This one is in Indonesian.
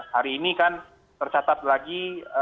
hari ini kan tercatat lagi